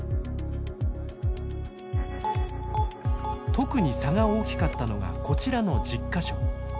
特に差が大きかったのがこちらの１０か所。